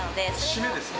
締めですか？